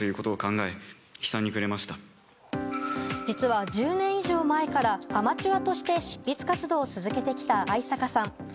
実は、１０年以上前からアマチュアとして執筆活動を続けてきた逢坂さん。